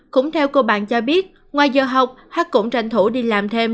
cũng theo cô bạn cho biết ngoài giờ học hát cũng tranh thủ đi làm thêm